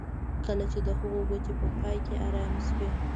کله چې د هغه ګوتې په پای کې ارامې شوې